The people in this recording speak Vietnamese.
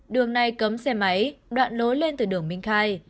đường này cấm xe máy đoạn lối lên từ đường minh khai